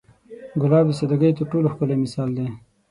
ګلاب د سادګۍ تر ټولو ښکلی مثال دی.